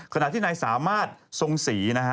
ขณะที่นายสามารถทรงศรีนะฮะ